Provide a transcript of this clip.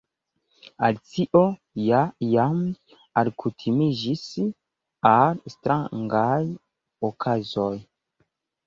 Alicio ja jam alkutimiĝis al strangaj okazoj.